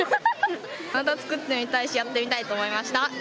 また作ってみたいしやってみたいと思いました。